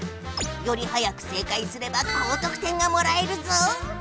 より早く正解すれば高とく点がもらえるぞ！